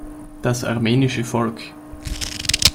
Das armenische Volk.